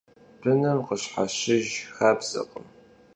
Bınım khışheşıjj xabzekhım.